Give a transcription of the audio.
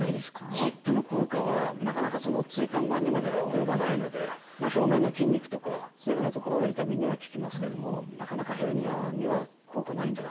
湿布の効果はなかなか椎間板にまでは及ばないので表面の筋肉とかそういうふうな所の痛みには効きますけどもなかなかヘルニアには効果ないんじゃないでしょうかね。